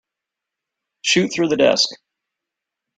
Shoot through the desk.